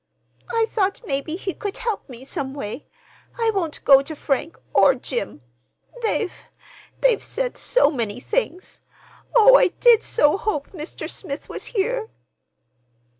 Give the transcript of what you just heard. "I thought maybe he could help me, some way. I won't go to Frank, or Jim. They've—they've said so many things. Oh, I did so hope Mr. Smith was here!"